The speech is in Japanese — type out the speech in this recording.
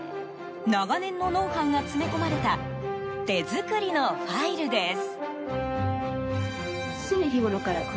長年のノウハウが詰め込まれた手作りのファイルです。